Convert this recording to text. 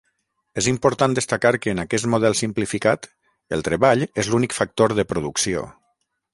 És important destacar que en aquest model simplificat, el treball és l'únic factor de producció.